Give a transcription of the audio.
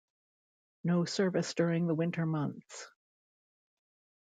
No service during the winter months.